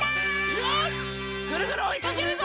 よしぐるぐるおいかけるぞ！